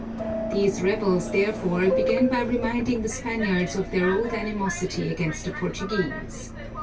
These rebels therefore began by reminding the Spaniards of their old animosity against the Portuguese.